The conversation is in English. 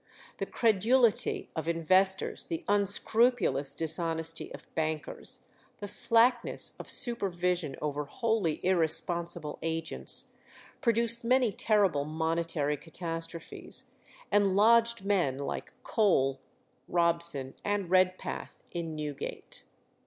The credulity of investors, the unscrupulous dishonesty of bankers, the slackness of supervision over wholly irresponsible agents, produced many terrible monetary catastrophes, and lodged men like Cole, Robson, and Redpath in Newgate.